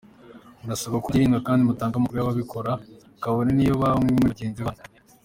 Murasabwa kubyirinda, kandi mutange amakuru y’ababikora kabone niyo baba bamwe muri bagenzi banyu."